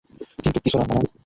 কিছু না, নানা।